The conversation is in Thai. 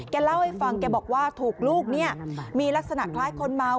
เล่าให้ฟังแกบอกว่าถูกลูกเนี่ยมีลักษณะคล้ายคนเมา